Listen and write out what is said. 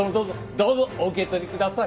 どうぞお受け取りください。